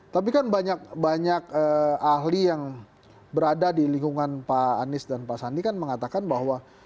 tapi kan banyak ahli yang berada di lingkungan pak anies dan pak sandi kan mengatakan bahwa